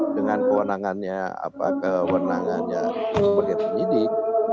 dengan kewenangannya sebagai penyidik